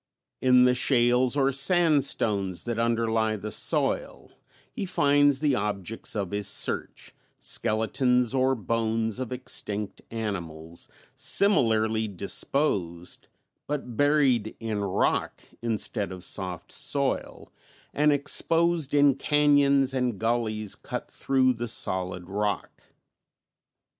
In the shales or sandstones that underlie the soil he finds the objects of his search, skeletons or bones of extinct animals, similarly disposed, but buried in rock instead of soft soil, and exposed in cañons and gullies cut through the solid rock.